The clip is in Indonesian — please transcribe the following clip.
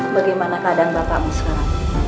bagaimana keadaan bapakmu sekarang